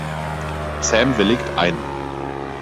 Sam willigt ein.